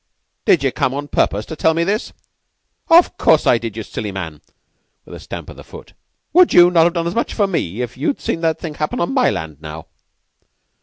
"Did ye come up on purpose to tell me this?" "Of course I did, ye silly man," with a stamp of the foot. "Would you not have done as much for me if you'd seen that thing happen on my land, now?"